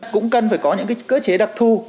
cũng cần phải có những cơ chế đặc thù